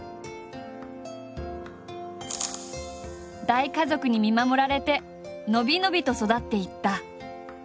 大家族に見守られて伸び伸びと育っていった。